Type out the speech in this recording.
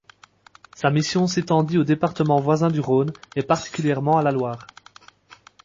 Sa mission s'étendit aux départements voisins du Rhône, et particulièrement à la Loire.